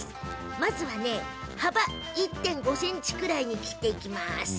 まずは幅１．５ｃｍくらいに切ります。